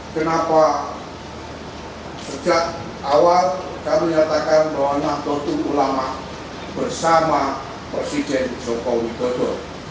kenapa sejak awal kami nyatakan bahwa nahdlatul ulama bersama presiden joko widodo